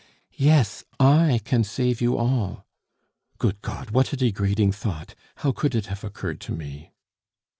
"Yes, I can save you all. Good God! what a degrading thought! How could it have occurred to me?"